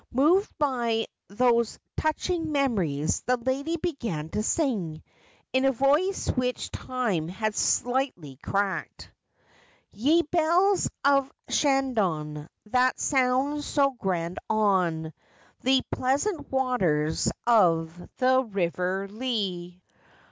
Moved by these touching memoi ies, the lady began to sing, in a voice which time had slightly cracked, —' Ye bells of Shandon, that sound so grand on The pleasant waters of the river Lee.'